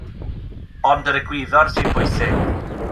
Ond yr egwyddor sy'n bwysig.